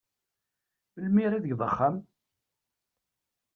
Melmi ara tgeḍ axxam?